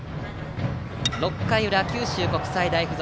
６回裏、九州国際大付属。